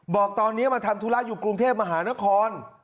บอกตอนนี้มาทำธุระอยู่กรุงเทพมหานคร